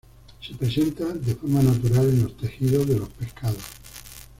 Se presenta de forma natural en los tejidos de los pescados.